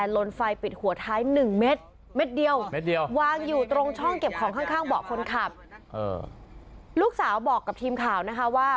ลูกสาวบอกกับทีมข่าวนะคะว่า